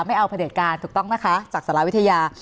ไม่เอาพระเด็จการถูกต้องนะคะจากแซร่าวิทยา